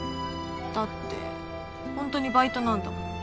だってホントにバイトなんだもん。